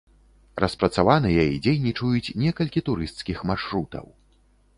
Распрацаваныя і дзейнічаюць некалькі турысцкіх маршрутаў.